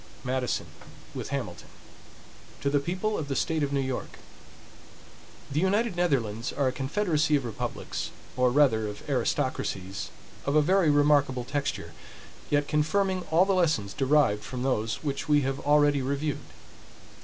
MADISON, with HAMILTON To the People of the State of New York: THE United Netherlands are a confederacy of republics, or rather of aristocracies of a very remarkable texture, yet confirming all the lessons derived from those which we have already reviewed.